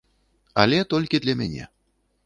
Але толькі для мяне.